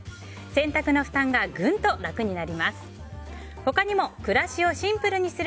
洗濯の負担がぐんと楽になります。